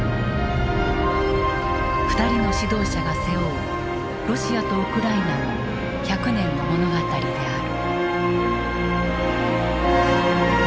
２人の指導者が背負うロシアとウクライナの１００年の物語である。